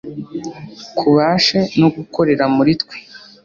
kubashe no gukorera muri twe